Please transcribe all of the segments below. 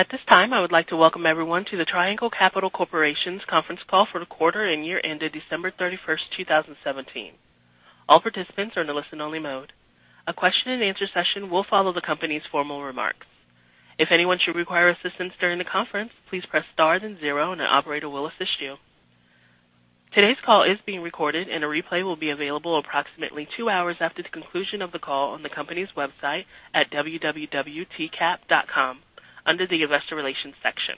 At this time, I would like to welcome everyone to the Triangle Capital Corporation's conference call for the quarter and year ended December 31st, 2017. All participants are in a listen-only mode. A question and answer session will follow the company's formal remarks. If anyone should require assistance during the conference, please press star then zero, and an operator will assist you. Today's call is being recorded and a replay will be available approximately two hours after the conclusion of the call on the company's website at www.tcap.com under the investor relations section.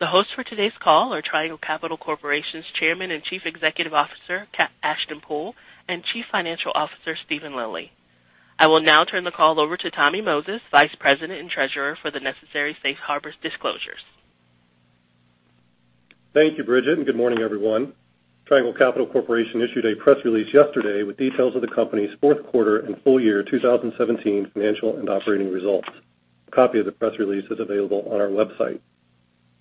The hosts for today's call are Triangle Capital Corporation's Chairman and Chief Executive Officer, Ashton Poole, and Chief Financial Officer, Steven Lilly. I will now turn the call over to Tommy Moses, Vice President and Treasurer, for the necessary safe harbors disclosures. Thank you, Bridget. Good morning, everyone. Triangle Capital Corporation issued a press release yesterday with details of the company's fourth quarter and full year 2017 financial and operating results. A copy of the press release is available on our website.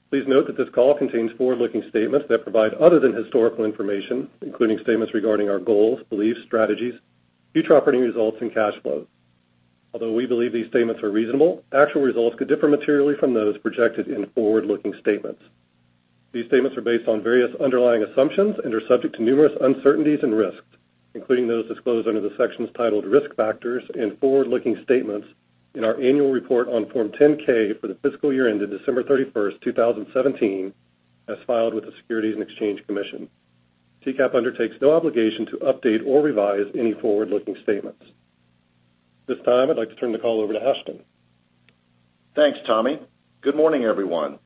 Please note that this call contains forward-looking statements that provide other than historical information, including statements regarding our goals, beliefs, strategies, future operating results, and cash flows. Although we believe these statements are reasonable, actual results could differ materially from those projected in forward-looking statements. These statements are based on various underlying assumptions and are subject to numerous uncertainties and risks, including those disclosed under the sections titled Risk Factors and Forward-Looking Statements in our annual report on Form 10-K for the fiscal year ended December 31st, 2017, as filed with the Securities and Exchange Commission. TCAP undertakes no obligation to update or revise any forward-looking statements. At this time, I'd like to turn the call over to Ashton. Thanks, Tommy. Good morning, everyone.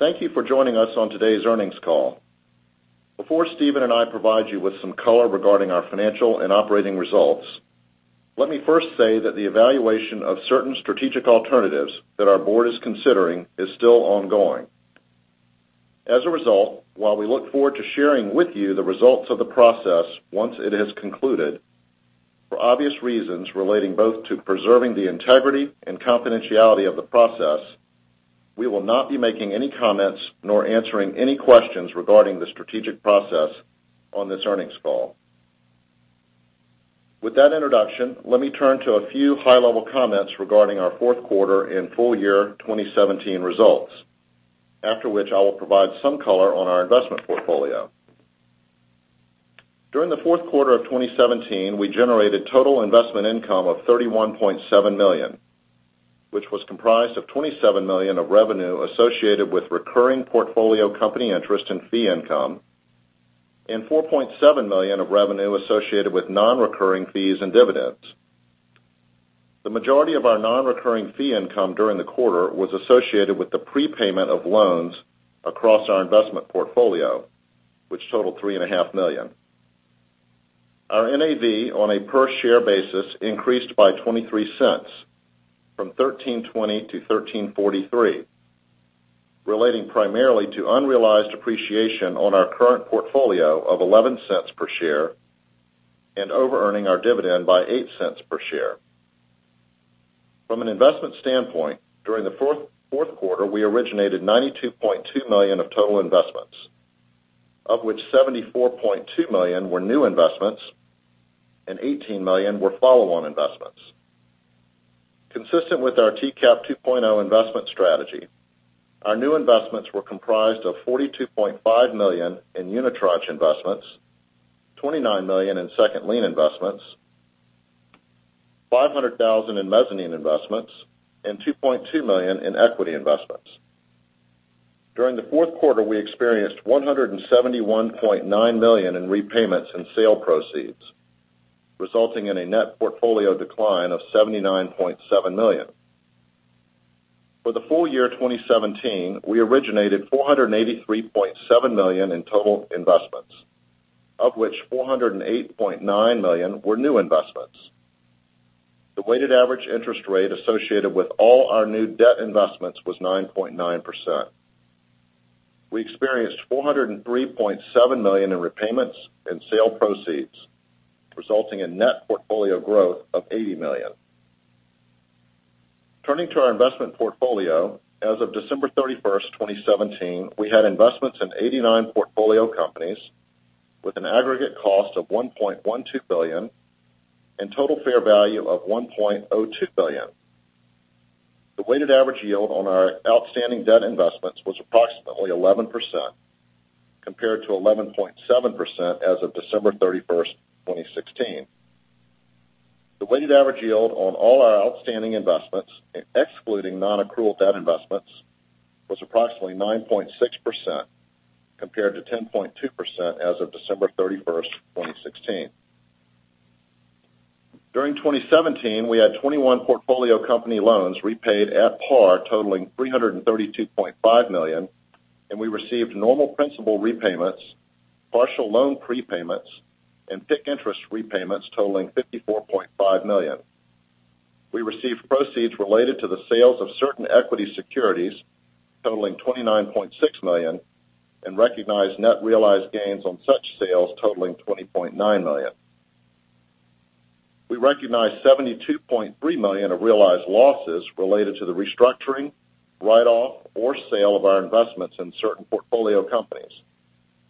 Thank you for joining us on today's earnings call. Before Steven and I provide you with some color regarding our financial and operating results, let me first say that the evaluation of certain strategic alternatives that our board is considering is still ongoing. As a result, while we look forward to sharing with you the results of the process once it has concluded, for obvious reasons relating both to preserving the integrity and confidentiality of the process, we will not be making any comments nor answering any questions regarding the strategic process on this earnings call. With that introduction, let me turn to a few high-level comments regarding our fourth quarter and full year 2017 results. After which, I will provide some color on our investment portfolio. During the fourth quarter of 2017, we generated total investment income of $31.7 million, which was comprised of $27 million of revenue associated with recurring portfolio company interest and fee income and $4.7 million of revenue associated with non-recurring fees and dividends. The majority of our non-recurring fee income during the quarter was associated with the prepayment of loans across our investment portfolio, which totaled three and a half million. Our NAV on a per share basis increased by $0.23 from $13.20 to $13.43, relating primarily to unrealized appreciation on our current portfolio of $0.11 per share and overearning our dividend by $0.08 per share. From an investment standpoint, during the fourth quarter, we originated $92.2 million of total investments, of which $74.2 million were new investments and $18 million were follow-on investments. Consistent with our TCAP 2.0 investment strategy, our new investments were comprised of $42.5 million in unitranche investments, $29 million in second lien investments, $500,000 in mezzanine investments, and $2.2 million in equity investments. During the fourth quarter, we experienced $171.9 million in repayments and sale proceeds, resulting in a net portfolio decline of $79.7 million. For the full year 2017, we originated $483.7 million in total investments, of which $408.9 million were new investments. The weighted average interest rate associated with all our new debt investments was 9.9%. We experienced $403.7 million in repayments and sale proceeds, resulting in net portfolio growth of $80 million. Turning to our investment portfolio, as of December 31, 2017, we had investments in 89 portfolio companies with an aggregate cost of $1.12 billion and total fair value of $1.02 billion. The weighted average yield on our outstanding debt investments was approximately 11%, compared to 11.7% as of December 31, 2016. The weighted average yield on all our outstanding investments, excluding non-accrual debt investments, was approximately 9.6%, compared to 10.2% as of December 31, 2016. During 2017, we had 21 portfolio company loans repaid at par totaling $332.5 million, and we received normal principal repayments, partial loan prepayments, and PIK interest repayments totaling $54.5 million. We received proceeds related to the sales of certain equity securities totaling $29.6 million and recognized net realized gains on such sales totaling $20.9 million. We recognized $72.3 million of realized losses related to the restructuring, Or sale of our investments in certain portfolio companies,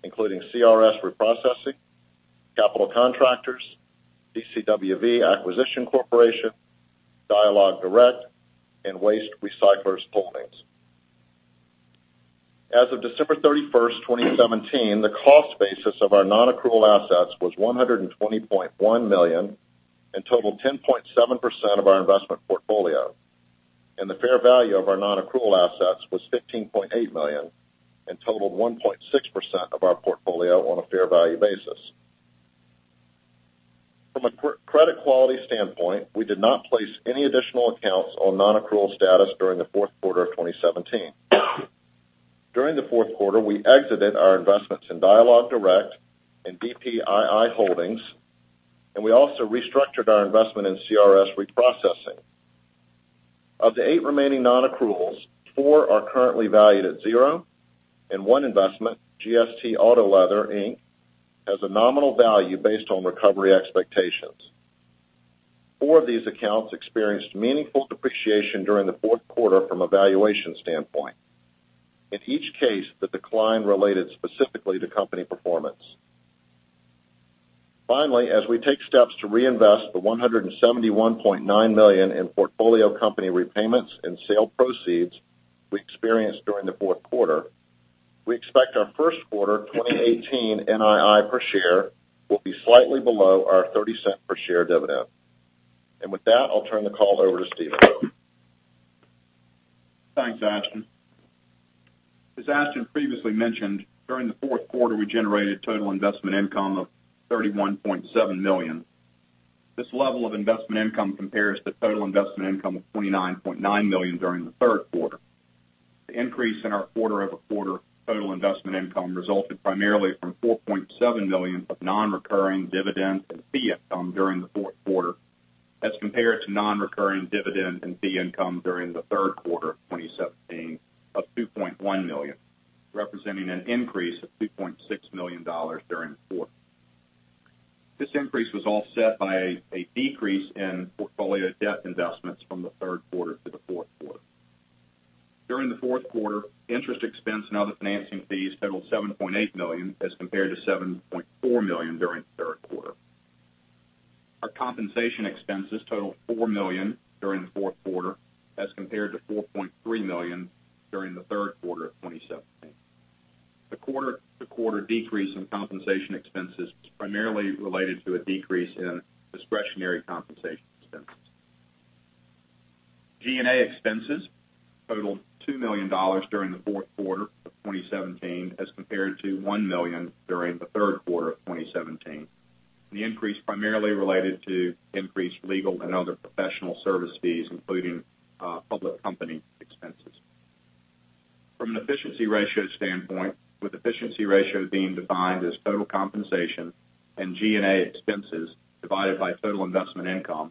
including CRS Reprocessing, Capital Contractors, DCWV Acquisition Corporation, Dialog Direct, and Waste Recyclers Holdings. As of December 31, 2017, the cost basis of our non-accrual assets was $120.1 million and totaled 10.7% of our investment portfolio. And the fair value of our non-accrual assets was $15.8 million and totaled 1.6% of our portfolio on a fair value basis. From a credit quality standpoint, we did not place any additional accounts on non-accrual status during the fourth quarter of 2017. During the fourth quarter, we exited our investments in Dialog Direct and DPII Holdings, and we also restructured our investment in CRS Reprocessing. Of the eight remaining non-accruals, four are currently valued at zero, and one investment, GST AutoLeather, Inc., has a nominal value based on recovery expectations. Four of these accounts experienced meaningful depreciation during the fourth quarter from a valuation standpoint. In each case, the decline related specifically to company performance. Finally, as we take steps to reinvest the $171.9 million in portfolio company repayments and sale proceeds we experienced during the fourth quarter, we expect our first quarter 2018 NII per share will be slightly below our $0.30 per share dividend. With that, I'll turn the call over to Steven. Thanks, Ashton. As Ashton previously mentioned, during the fourth quarter, we generated total investment income of $31.7 million. This level of investment income compares to total investment income of $29.9 million during the third quarter. The increase in our quarter-over-quarter total investment income resulted primarily from $4.7 million of non-recurring dividend and fee income during the fourth quarter as compared to non-recurring dividend and fee income during the third quarter of 2017 of $2.1 million, representing an increase of $2.6 million during the fourth. This increase was offset by a decrease in portfolio debt investments from the third quarter to the fourth quarter. During the fourth quarter, interest expense and other financing fees totaled $7.8 million as compared to $7.4 million during the third quarter. Our compensation expenses totaled $4 million during the fourth quarter as compared to $4.3 million during the third quarter of 2017. The quarter-to-quarter decrease in compensation expenses was primarily related to a decrease in discretionary compensation expenses. G&A expenses totaled $2 million during the fourth quarter of 2017 as compared to $1 million during the third quarter of 2017. The increase primarily related to increased legal and other professional service fees, including public company expenses. From an efficiency ratio standpoint, with efficiency ratio being defined as total compensation and G&A expenses divided by total investment income,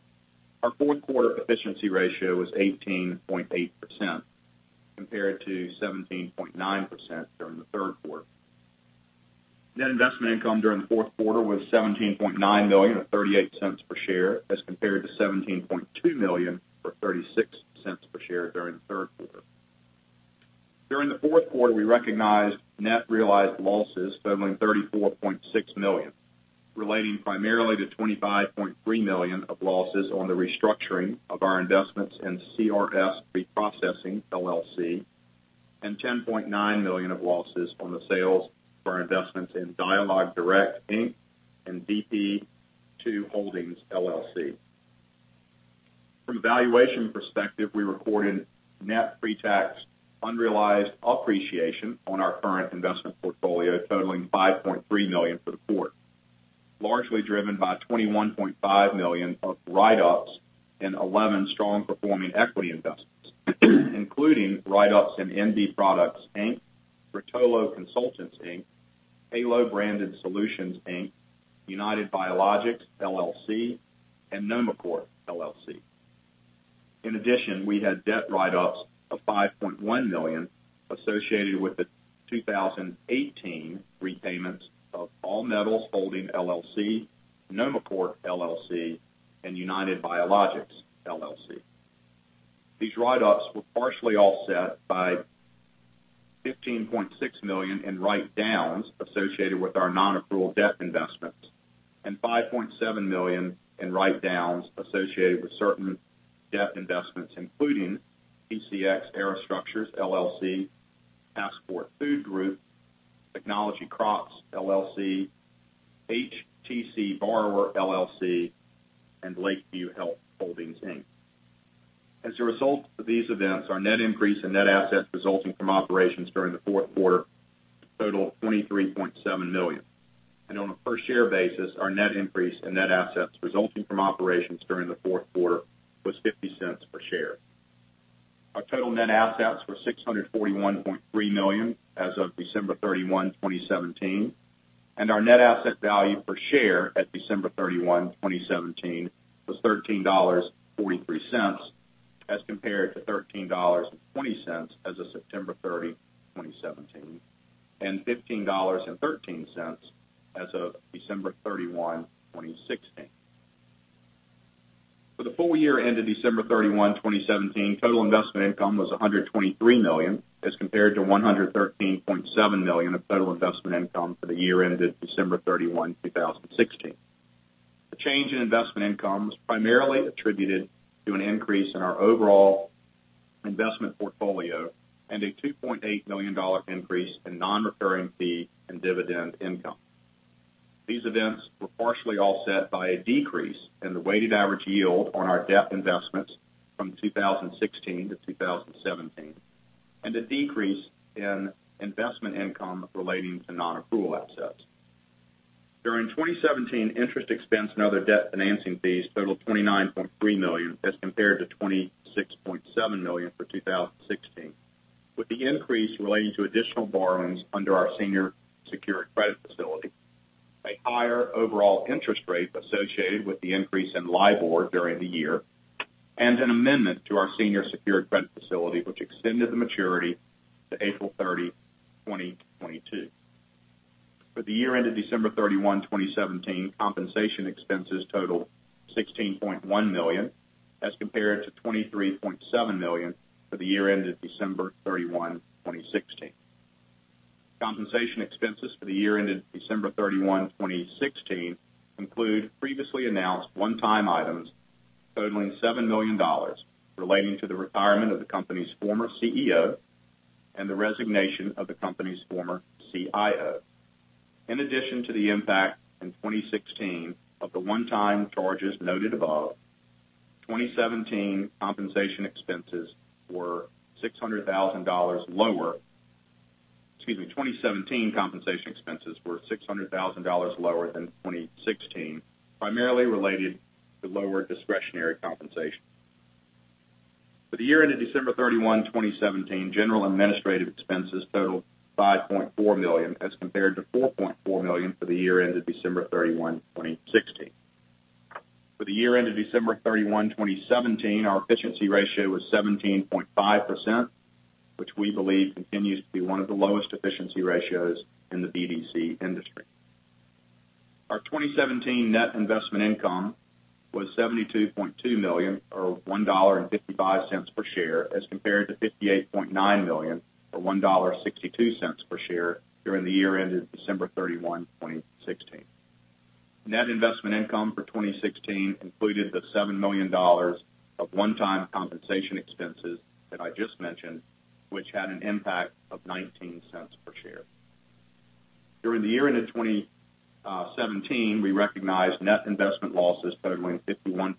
our fourth quarter efficiency ratio was 18.8% compared to 17.9% during the third quarter. Net investment income during the fourth quarter was $17.9 million or $0.38 per share as compared to $17.2 million for $0.36 per share during the third quarter. During the fourth quarter, we recognized net realized losses totaling $34.6 million, relating primarily to $25.3 million of losses on the restructuring of our investments in CRS Reprocessing LLC, and $10.9 million of losses on the sales of our investments in Dialog Direct Inc. and DPII Holdings LLC. From a valuation perspective, we recorded net pretax unrealized appreciation on our current investment portfolio totaling $5.3 million for the quarter, largely driven by $21.5 million of write-ups in 11 strong performing equity investments, including write-ups in ND Products Inc., Rotolo Consultants Inc., HALO Branded Solutions Inc., United Biologics LLC, and Noma Corp LLC. In addition, we had debt write-ups of $5.1 million associated with the 2018 repayments of All Metals Holding LLC, Noma Corp LLC, and United Biologics LLC. These write-ups were partially offset by $15.6 million in write-downs associated with our non-accrual debt investments and $5.7 million in write-downs associated with certain debt investments, including PCX Aerostructures LLC, Passport Food Group, Technology Crops LLC, HTC Borrower LLC, and Lakeview Health Holdings Inc. As a result of these events, our net increase in net assets resulting from operations during the fourth quarter total $23.7 million. On a per share basis, our net increase in net assets resulting from operations during the fourth quarter was $0.50 per share. Our total net assets were $641.3 million as of December 31, 2017, and our net asset value per share at December 31, 2017, was $13.43 as compared to $13.20 as of September 30, 2017, and $15.13 as of December 31, 2016. For the full year ended December 31, 2017, total investment income was $123 million as compared to $113.7 million of total investment income for the year ended December 31, 2016. The change in investment income was primarily attributed to an increase in our overall investment portfolio and a $2.8 million increase in non-recurring fee and dividend income. These events were partially offset by a decrease in the weighted average yield on our debt investments from 2016 to 2017, and a decrease in investment income relating to non-accrual assets. During 2017, interest expense and other debt financing fees totaled $29.3 million as compared to $26.7 million for 2016, with the increase relating to additional borrowings under our senior secured credit facility, a higher overall interest rate associated with the increase in LIBOR during the year, and an amendment to our senior secured credit facility, which extended the maturity to April 30, 2022. For the year ended December 31, 2017, compensation expenses totaled $16.1 million as compared to $23.7 million for the year ended December 31, 2016. Compensation expenses for the year ended December 31, 2016 include previously announced one-time items totaling $7 million relating to the retirement of the company's former CEO and the resignation of the company's former CIO. In addition to the impact in 2016 of the one-time charges noted above, 2017 compensation expenses were $600,000 lower. Excuse me, 2017 compensation expenses were $600,000 lower than 2016, primarily related to lower discretionary compensation. For the year ended December 31, 2017, general administrative expenses totaled $5.4 million as compared to $4.4 million for the year ended December 31, 2016. For the year ended December 31, 2017, our efficiency ratio was 17.5%, which we believe continues to be one of the lowest efficiency ratios in the BDC industry. Our 2017 net investment income was $72.2 million, or $1.55 per share, as compared to $58.9 million, or $1.62 per share during the year ended December 31, 2016. Net investment income for 2016 included the $7 million of one-time compensation expenses that I just mentioned, which had an impact of $0.19 per share. During the year ended 2017, we recognized net investment losses totaling $51.6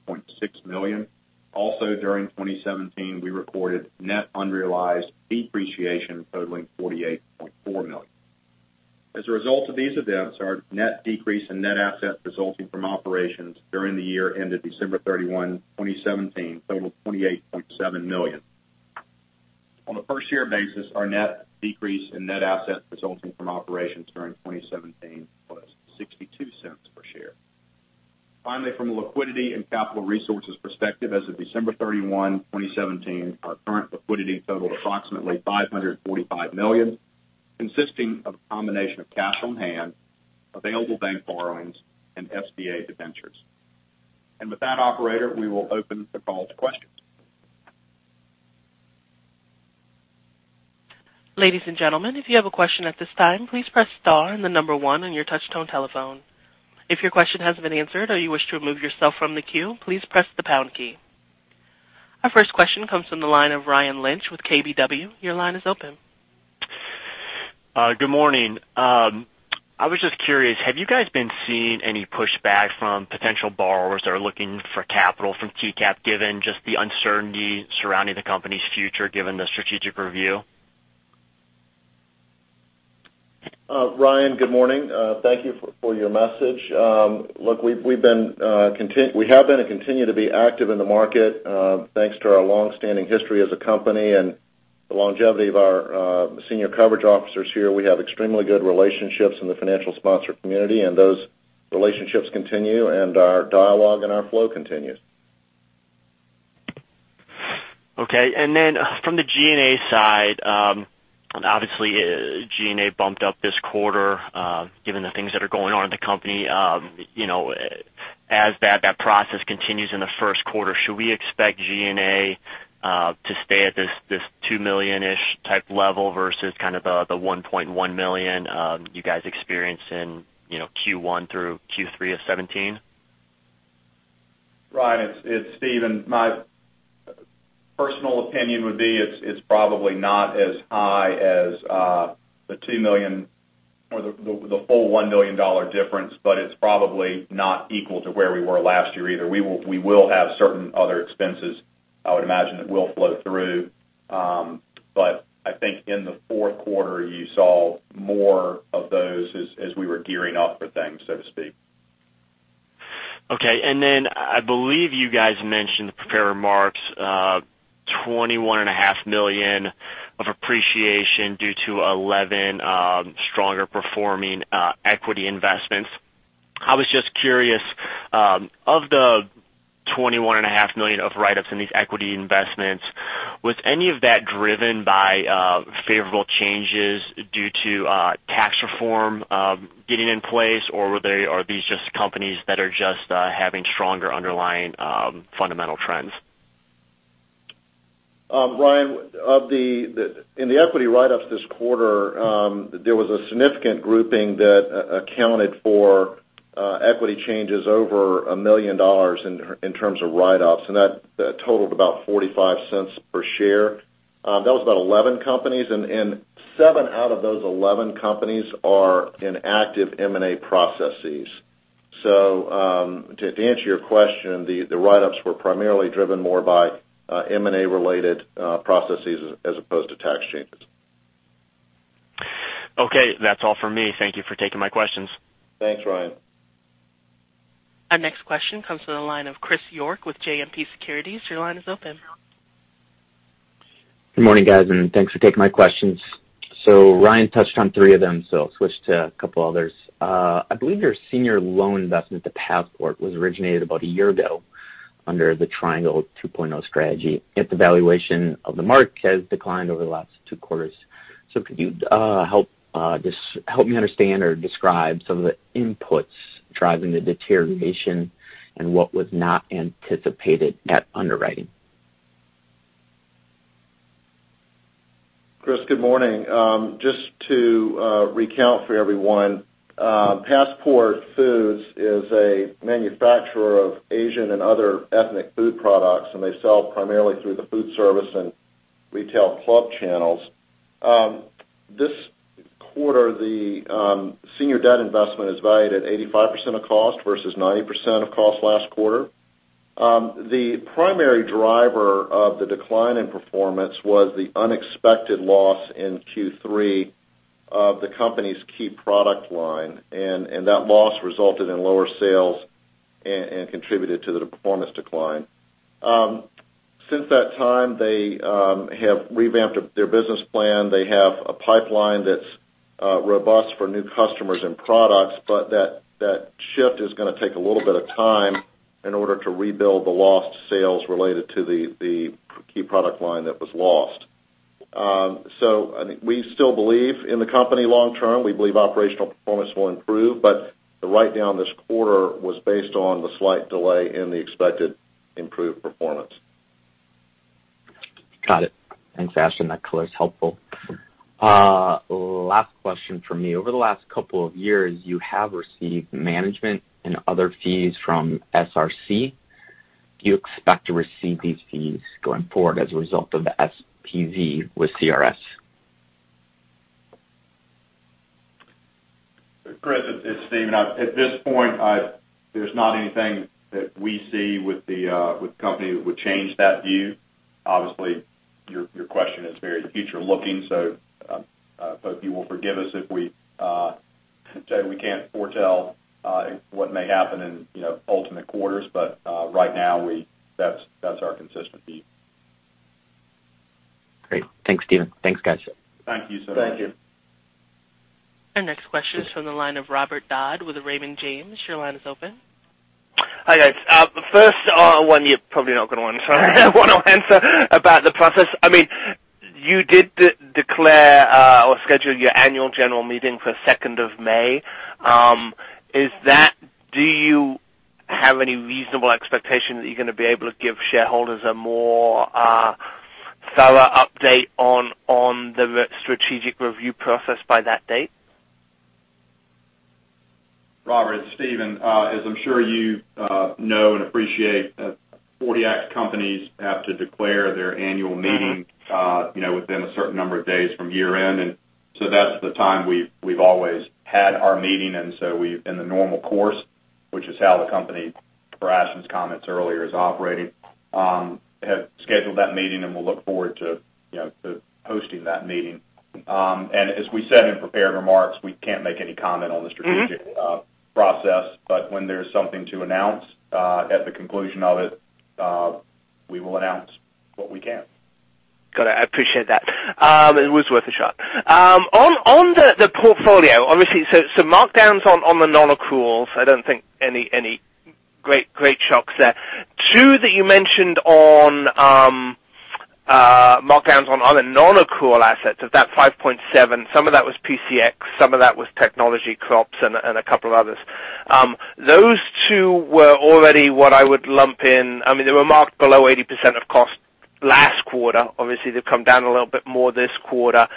million. Also, during 2017, we recorded net unrealized depreciation totaling $48.4 million. As a result of these events, our net decrease in net assets resulting from operations during the year ended December 31, 2017, totaled $28.7 million. On a per share basis, our net decrease in net assets resulting from operations during 2017 was $0.62 per share. Finally, from a liquidity and capital resources perspective, as of December 31, 2017, our current liquidity totaled approximately $545 million, consisting of a combination of cash on hand, available bank borrowings, and SBA debentures. With that, operator, we will open the call to questions. Ladies and gentlemen, if you have a question at this time, please press star and the number one on your touch-tone telephone. If your question has been answered or you wish to remove yourself from the queue, please press the pound key. Our first question comes from the line of Ryan Lynch with KBW. Your line is open. Good morning. I was just curious, have you guys been seeing any pushback from potential borrowers that are looking for capital from TCAP, given just the uncertainty surrounding the company's future, given the strategic review? Ryan, good morning. Thank you for your message. Look, we have been and continue to be active in the market. Thanks to our longstanding history as a company and the longevity of our senior coverage officers here, we have extremely good relationships in the financial sponsor community, and those relationships continue and our dialogue and our flow continues. Okay. From the G&A side, obviously G&A bumped up this quarter, given the things that are going on in the company. As that process continues in the first quarter, should we expect G&A to stay at this $2 million-ish type level versus kind of the $1.1 million you guys experienced in Q1 through Q3 of 2017? Ryan, it's Steven. My personal opinion would be it's probably not as high as the $2 million or the full $1 million difference, it's probably not equal to where we were last year either. We will have certain other expenses, I would imagine, that will flow through. I think in the fourth quarter, you saw more of those as we were gearing up for things, so to speak. Okay. I believe you guys mentioned prepared remarks, $21.5 million of appreciation due to 11 stronger performing equity investments. I was just curious, of the $21.5 million of write-ups in these equity investments Was any of that driven by favorable changes due to tax reform getting in place, or are these just companies that are just having stronger underlying fundamental trends? Ryan, in the equity write-ups this quarter, there was a significant grouping that accounted for equity changes over $1 million in terms of write-ups, and that totaled about $0.45 per share. That was about 11 companies, and seven out of those 11 companies are in active M&A processes. To answer your question, the write-ups were primarily driven more by M&A-related processes as opposed to tax changes. Okay. That's all for me. Thank you for taking my questions. Thanks, Ryan. Our next question comes from the line of Chris York with JMP Securities. Your line is open. Good morning, guys, and thanks for taking my questions. Ryan touched on three of them, so I'll switch to a couple of others. I believe your senior loan investment at Passport was originated about a year ago under the Triangle 2.0 strategy. Yet the valuation of the mark has declined over the last two quarters. Could you help me understand or describe some of the inputs driving the deterioration and what was not anticipated at underwriting? Chris, good morning. Just to recount for everyone, Passport Foods is a manufacturer of Asian and other ethnic food products, and they sell primarily through the food service and retail club channels. This quarter, the senior debt investment is valued at 85% of cost versus 90% of cost last quarter. The primary driver of the decline in performance was the unexpected loss in Q3 of the company's key product line, and that loss resulted in lower sales and contributed to the performance decline. Since that time, they have revamped their business plan. They have a pipeline that's robust for new customers and products, that shift is going to take a little bit of time in order to rebuild the lost sales related to the key product line that was lost. We still believe in the company long term. We believe operational performance will improve. The write-down this quarter was based on the slight delay in the expected improved performance. Got it. Thanks, Ashton. That color's helpful. Last question from me. Over the last couple of years, you have received management and other fees from SRC. Do you expect to receive these fees going forward as a result of the SPV with CRS? Chris, it's Steven. At this point, there's not anything that we see with the company that would change that view. Obviously, your question is very future looking, hope you will forgive us if we say we can't foretell what may happen in ultimate quarters. Right now, that's our consistent view. Great. Thanks, Steven. Thanks, guys. Thank you so much. Thank you. Our next question is from the line of Robert Dodd with Raymond James. Your line is open. Hi, guys. First one you're probably not going to want to answer about the process. You did declare or schedule your annual general meeting for 2nd of May. Do you have any reasonable expectation that you're going to be able to give shareholders a more thorough update on the strategic review process by that date? Robert, it's Steven. As I'm sure you know and appreciate, 40 Act companies have to declare their annual meeting within a certain number of days from year-end, that's the time we've always had our meeting. In the normal course, which is how the company, per Ashton's comments earlier, is operating, have scheduled that meeting, we'll look forward to hosting that meeting. As we said in prepared remarks, we can't make any comment on the strategic process. When there's something to announce at the conclusion of it, we will announce what we can. Got it. I appreciate that. It was worth a shot. On the portfolio, obviously, so markdowns on the non-accruals, I don't think any great shocks there. Two that you mentioned on markdowns on the non-accrual assets of that $5.7, some of that was PCX, some of that was Technology Crops, a couple of others. Those two were already what I would lump in. They were marked below 80% of cost last quarter. Obviously, they've come down a little bit more this quarter.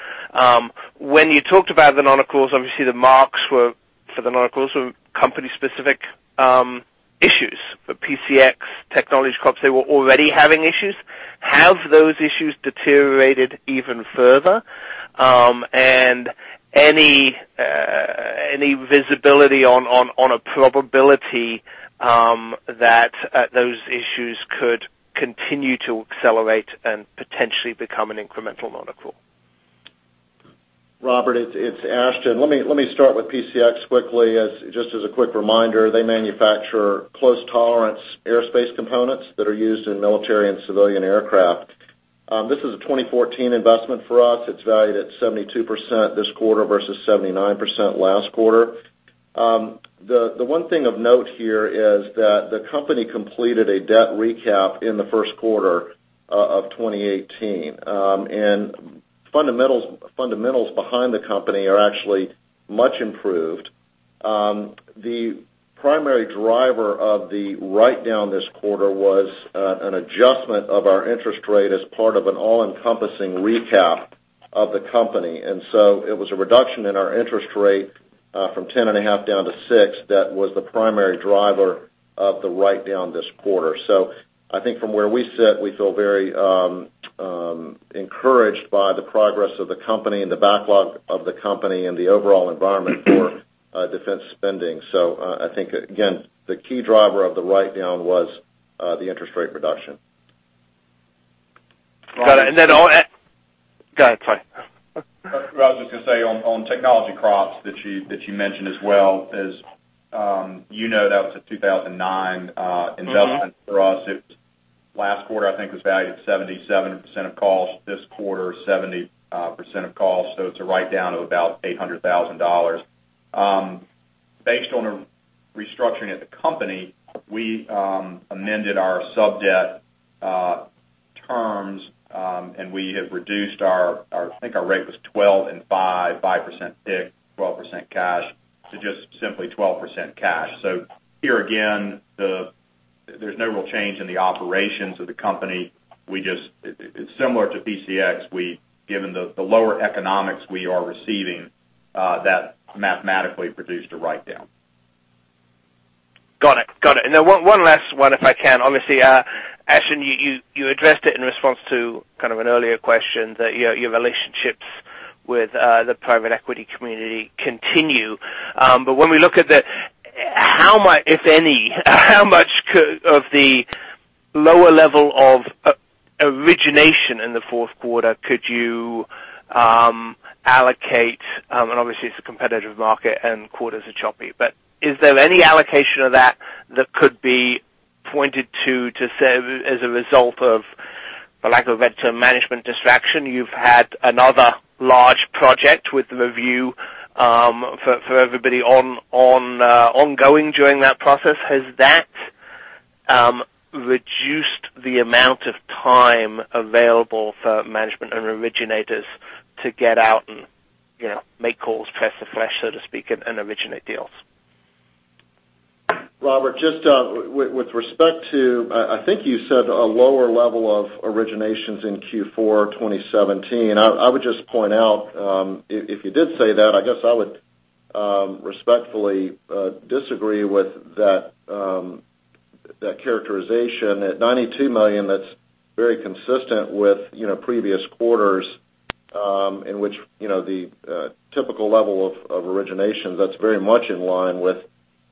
When you talked about the non-accruals, obviously the marks for the non-accruals were company-specific issues. The PCX, Technology Crops, they were already having issues. Have those issues deteriorated even further? Any visibility on a probability that those issues could continue to accelerate and potentially become an incremental non-accrual? Robert, it's Ashton. Let me start with PCX quickly. Just as a quick reminder, they manufacture close-tolerance aerospace components that are used in military and civilian aircraft. This is a 2014 investment for us. It's valued at 72% this quarter versus 79% last quarter. The one thing of note here is that the company completed a debt recap in the first quarter of 2018. Fundamentals behind the company are actually much improved. The primary driver of the write-down this quarter was an adjustment of our interest rate as part of an all-encompassing recap of the company. It was a reduction in our interest rate from 10.5 down to 6, that was the primary driver of the write-down this quarter. I think from where we sit, we feel very encouraged by the progress of the company and the backlog of the company and the overall environment for defense spending. I think, again, the key driver of the write-down was the interest rate reduction. Got it. Go ahead, sorry. I was just going to say on Technology Crops that you mentioned as well, as you know, that was a 2009 investment for us. Last quarter, I think was valued at 77% of cost. This quarter, 70% of cost. It's a write-down of about $800,000. Based on a restructuring at the company, we amended our sub-debt terms, and we have reduced our, I think our rate was 12 and 5% PIK, 12% cash, to just simply 12% cash. Here again, there's no real change in the operations of the company. It's similar to PCX. Given the lower economics we are receiving, that mathematically produced a write-down. Got it. One last one, if I can. Obviously, Ashton, you addressed it in response to kind of an earlier question that your relationships with the private equity community continue. When we look at that, if any, how much of the lower level of origination in the fourth quarter could you allocate? Obviously, it's a competitive market and quarters are choppy. Is there any allocation of that that could be pointed to say as a result of, for lack of a better term, management distraction. You've had another large project with the review for everybody ongoing during that process. Has that reduced the amount of time available for management and originators to get out and make calls, press the flesh, so to speak, and originate deals? Robert, just with respect to, I think you said a lower level of originations in Q4 2017. I would just point out, if you did say that, I guess I would respectfully disagree with that characterization. At $92 million, that's very consistent with previous quarters, in which the typical level of origination, that's very much in line with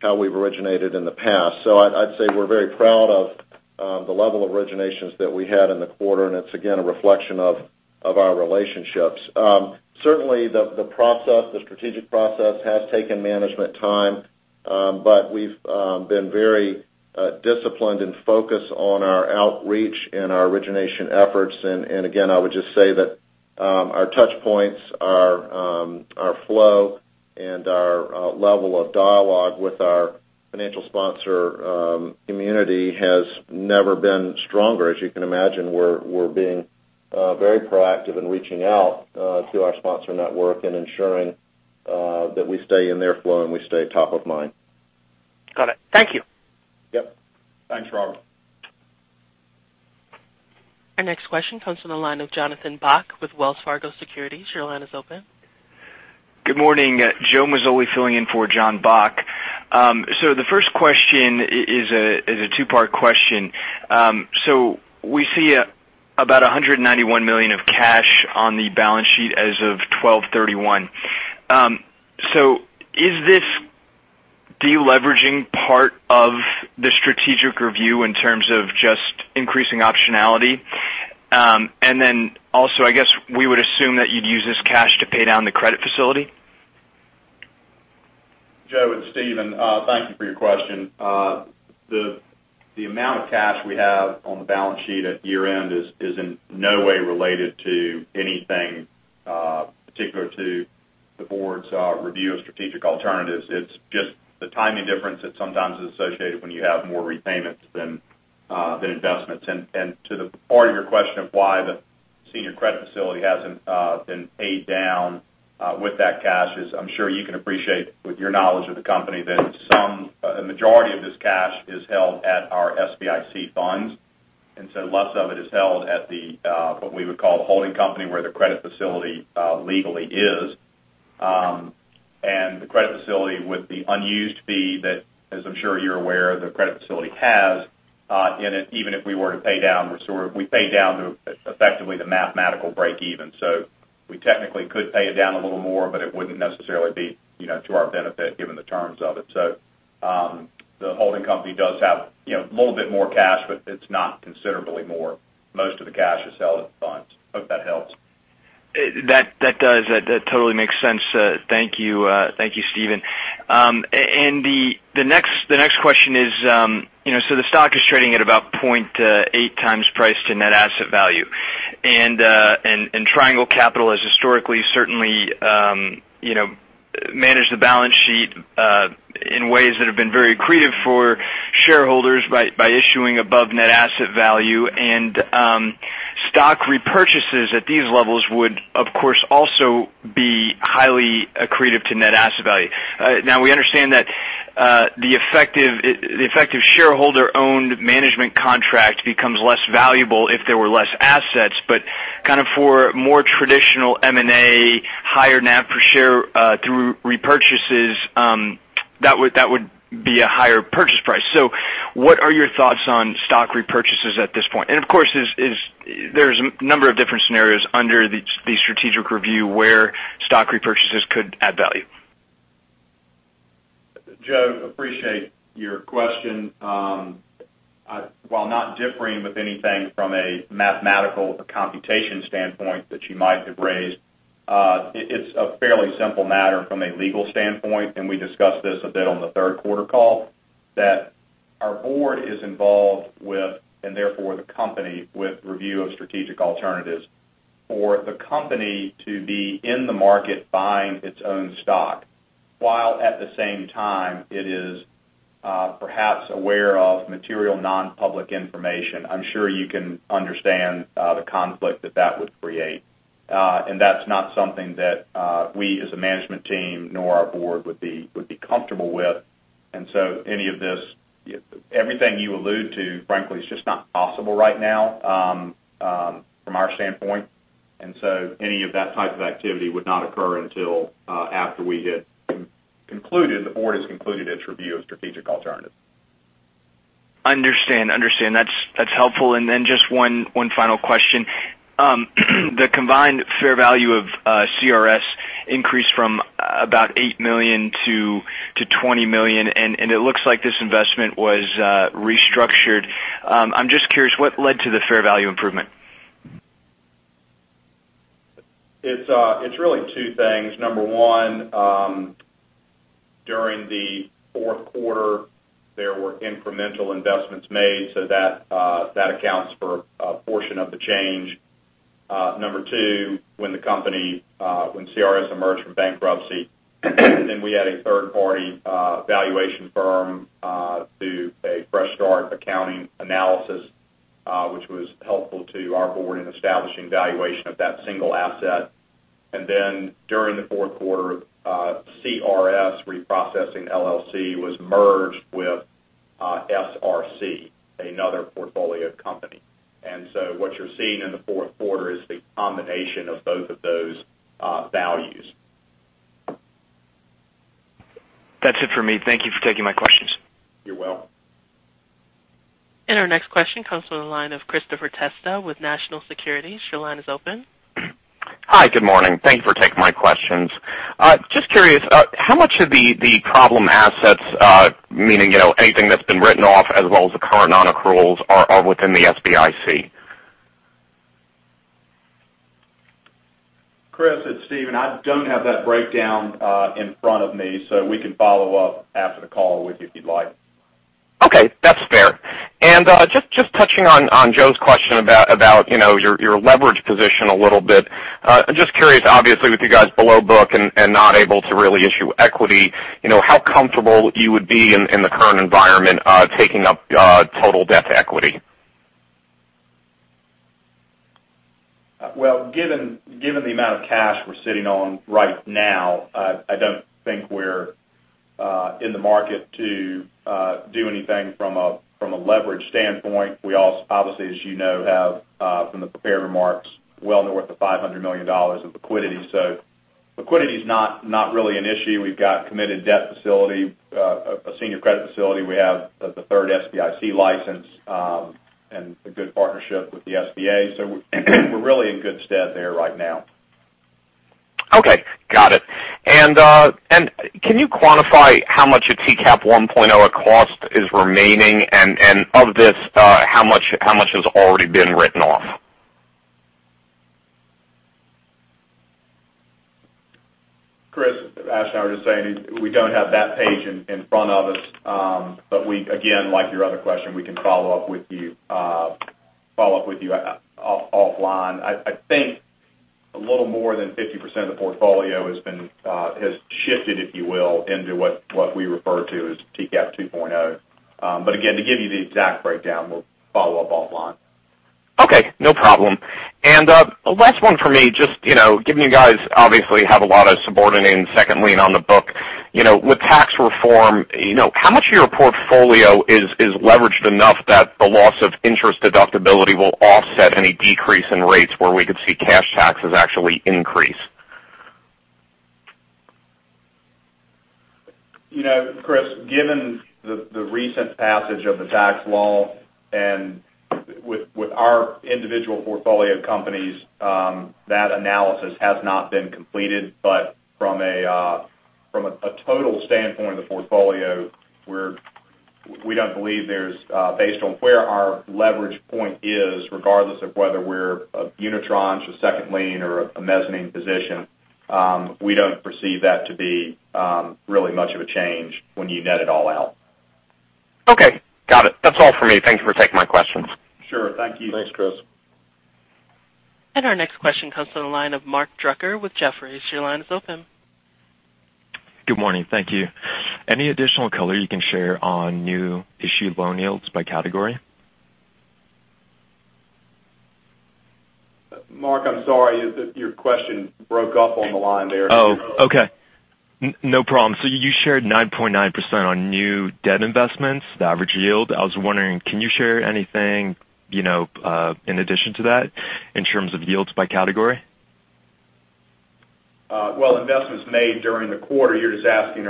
how we've originated in the past. I'd say we're very proud of the level of originations that we had in the quarter, and it's again, a reflection of our relationships. Certainly, the strategic process has taken management time, but we've been very disciplined and focused on our outreach and our origination efforts. Again, I would just say that our touch points, our flow and our level of dialogue with our financial sponsor community has never been stronger. As you can imagine, we're being very proactive in reaching out to our sponsor network and ensuring that we stay in their flow, and we stay top of mind. Got it. Thank you. Yep. Thanks, Robert. Our next question comes from the line of Jonathan Bock with Wells Fargo Securities. Your line is open. Good morning. Joe Mazzoli filling in for Jonathan Bock. The first question is a two-part question. We see about $191 million of cash on the balance sheet as of 12/31. Is this deleveraging part of the strategic review in terms of just increasing optionality? Also, I guess we would assume that you'd use this cash to pay down the credit facility? Joe, it's Steven. Thank you for your question. The amount of cash we have on the balance sheet at year-end is in no way related to anything particular to the board's review of strategic alternatives. It's just the timing difference that sometimes is associated when you have more repayments than investments. To the part of your question of why the senior credit facility hasn't been paid down with that cash is, I'm sure you can appreciate with your knowledge of the company, that a majority of this cash is held at our SBIC funds. Less of it is held at the, what we would call the holding company, where the credit facility legally is. The credit facility with the unused fee that, as I'm sure you're aware, the credit facility has in it, even if we were to pay down, effectively the mathematical break even. We technically could pay it down a little more, but it wouldn't necessarily be to our benefit given the terms of it. The holding company does have a little bit more cash, but it's not considerably more. Most of the cash is held in funds. Hope that helps. That does. That totally makes sense. Thank you. Thank you, Steven. The next question is, the stock is trading at about 0.8 times price to net asset value. Triangle Capital has historically certainly managed the balance sheet in ways that have been very accretive for shareholders by issuing above net asset value. Stock repurchases at these levels would, of course, also be highly accretive to net asset value. Now, we understand that the effective shareholder-owned management contract becomes less valuable if there were less assets, but for more traditional M&A, higher NAV per share through repurchases, that would be a higher purchase price. What are your thoughts on stock repurchases at this point? Of course, there's a number of different scenarios under the strategic review where stock repurchases could add value. Joe, appreciate your question. While not differing with anything from a mathematical computation standpoint that you might have raised, it's a fairly simple matter from a legal standpoint. We discussed this a bit on the third quarter call, that our board is involved with, and therefore the company, with review of strategic alternatives. For the company to be in the market buying its own stock, while at the same time it is perhaps aware of material non-public information, I'm sure you can understand the conflict that that would create. That's not something that we, as a management team, nor our board would be comfortable with. Everything you allude to, frankly, is just not possible right now from our standpoint. Any of that type of activity would not occur until after the board has concluded its review of strategic alternatives. Understand. That's helpful. Just one final question. The combined fair value of CRS increased from about $8 million to $20 million. It looks like this investment was restructured. I'm just curious, what led to the fair value improvement? It's really two things. Number 1, during the fourth quarter, there were incremental investments made, that accounts for a portion of the change. Number 2, when CRS emerged from bankruptcy, we had a third-party valuation firm do a fresh start accounting analysis, which was helpful to our board in establishing valuation of that single asset. During the fourth quarter, CRS Reprocessing LLC was merged with SRC, another portfolio company. What you're seeing in the fourth quarter is the combination of both of those values. That's it for me. Thank you for taking my questions. You're welcome. Our next question comes from the line of Christopher Testa with National Securities. Your line is open. Hi, good morning. Thank you for taking my questions. Just curious, how much of the problem assets, meaning anything that's been written off as well as the current non-accruals, are within the SBIC? Chris, it's Steven, I don't have that breakdown in front of me, we can follow up after the call with you if you'd like. Okay, that's fair. Just touching on Joe's question about your leverage position a little bit. I'm just curious, obviously, with you guys below book and not able to really issue equity, how comfortable you would be in the current environment taking up total debt to equity? Well, given the amount of cash we're sitting on right now, I don't think we're in the market to do anything from a leverage standpoint. We obviously, as you know, have, from the prepared remarks, well north of $500 million of liquidity. Liquidity's not really an issue. We've got committed debt facility, a senior credit facility. We have the third SBIC license and a good partnership with the SBA. We're really in good stead there right now. Okay. Got it. Can you quantify how much of TCAP 1.0 at cost is remaining? Of this, how much has already been written off? Chris, Ashton, I was just saying, we don't have that page in front of us. We, again, like your other question, we can follow up with you offline. I think a little more than 50% of the portfolio has shifted, if you will, into what we refer to as TCAP 2.0. Again, to give you the exact breakdown, we'll follow up offline. Okay, no problem. Last one for me, just given you guys obviously have a lot of subordinated second lien on the book. With tax reform, how much of your portfolio is leveraged enough that the loss of interest deductibility will offset any decrease in rates where we could see cash taxes actually increase? Chris, given the recent passage of the tax law and with our individual portfolio companies, that analysis has not been completed. From a total standpoint of the portfolio, we don't believe there's based on where our leverage point is, regardless of whether we're a unitranche, a second lien, or a mezzanine position, we don't perceive that to be really much of a change when you net it all out. Okay, got it. That's all for me. Thank you for taking my questions. Sure. Thank you. Thanks, Chris. Our next question comes from the line of Mark Drucker with Jefferies. Your line is open. Good morning. Thank you. Any additional color you can share on new issued loan yields by category? Mark, I'm sorry, your question broke up on the line there. Oh, okay. No problem. You shared 9.9% on new debt investments, the average yield. I was wondering, can you share anything, in addition to that, in terms of yields by category? Well, investments made during the quarter, you're just asking,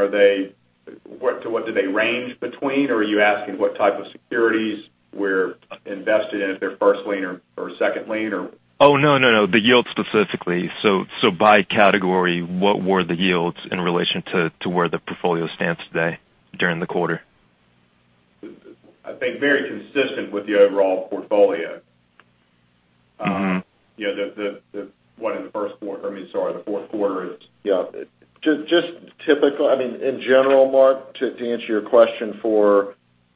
what do they range between? Are you asking what type of securities we're invested in, if they're first lien or second lien, or? Oh, no. The yield specifically. By category, what were the yields in relation to where the portfolio stands today during the quarter? I think very consistent with the overall portfolio. I mean, sorry, the fourth quarter is. Yeah. Just typical, I mean, in general, Mark, to answer your question for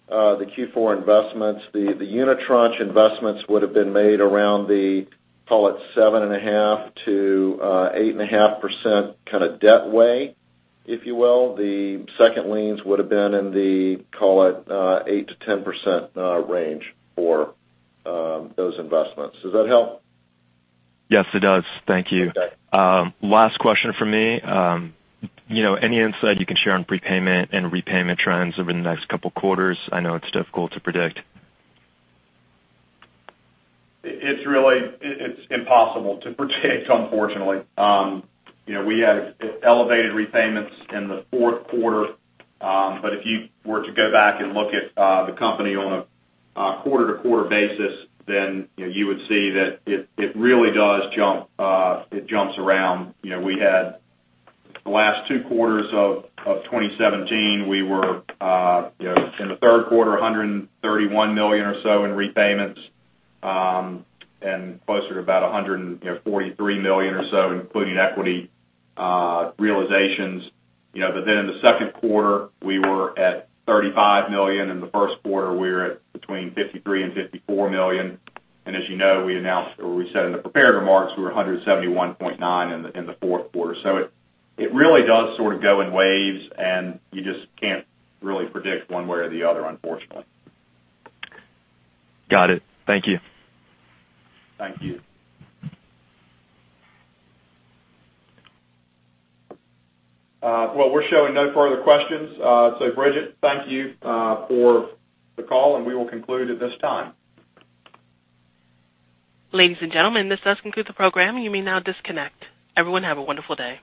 the Q4 investments, the unitranche investments would've been made around the, call it, 7.5%-8.5% kind of debt way, if you will. The second liens would've been in the, call it, 8%-10% range for those investments. Does that help? Yes, it does. Thank you. Okay. Last question from me. Any insight you can share on prepayment and repayment trends over the next couple of quarters? I know it's difficult to predict. It's impossible to predict, unfortunately. We had elevated repayments in the fourth quarter. If you were to go back and look at the company on a quarter-to-quarter basis, you would see that it really does jump. It jumps around. The last two quarters of 2017, we were, in the third quarter, $131 million or so in repayments, and closer to about $143 million or so, including equity realizations. In the second quarter, we were at $35 million. In the first quarter, we were at between $53 million and $54 million. As you know, we announced, or we said in the prepared remarks, we were $171.9 million in the fourth quarter. It really does sort of go in waves, and you just can't really predict one way or the other, unfortunately. Got it. Thank you. Thank you. Well, we're showing no further questions. Bridget, thank you for the call, and we will conclude at this time. Ladies and gentlemen, this does conclude the program. You may now disconnect. Everyone, have a wonderful day.